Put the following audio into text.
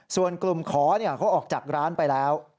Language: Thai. ส่วนกลุ่มขอเขาออกจากร้านไปแล้ว